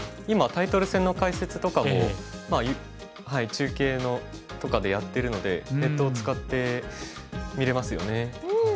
今タイトル戦の解説とかも中継とかでやってるのでネットを使って見れますよね。